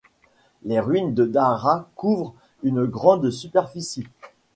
Les ruines de Dara couvrent une grande superficie.